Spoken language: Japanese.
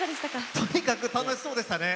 とにかく楽しそうでしたね。